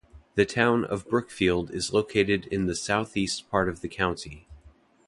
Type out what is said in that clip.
The Town of Brookfield is located in the southeast part of the county.